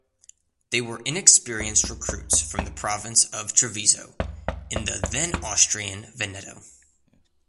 They were inexperienced recruits from the province of Treviso in the then Austrian Veneto.